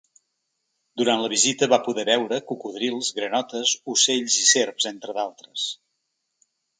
Durant la visita va poder veure cocodrils, granotes, ocells i serps, entre d’altres.